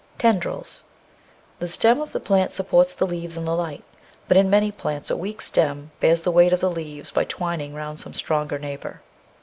6 Tendrils The stem of the plant supports the leaves in the light, but in many plants a weak stem bears the weight of the leaves by twining round some stronger neighbour.